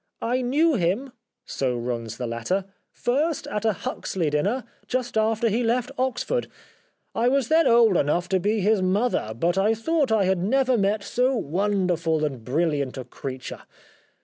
" I knew him," so runs the letter, " first at a Huxley dinner, just after he left Oxford. I was then old enough to be his mother, but I thought I had never met so wonderful and brilliant a creature.